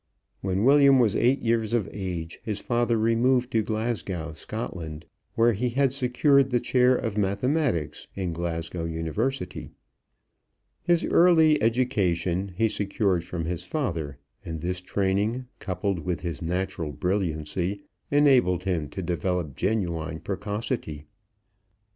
When William was eight years of age his father removed to Glasgow, Scotland, where he had secured the chair of mathematics in Glasgow University. His early education he secured from his father, and this training, coupled with his natural brilliancy, enabled him to develop genuine precocity.